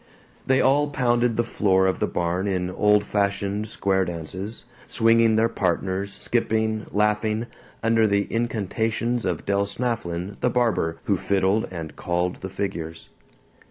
They all pounded the floor of the barn in old fashioned square dances, swinging their partners, skipping, laughing, under the incantations of Del Snafflin the barber, who fiddled and called the figures.